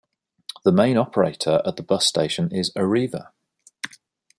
The main operator at the bus station is Arriva.